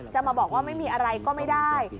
จะมาบอกว่าไม่มีอะไรก็ไม่ได้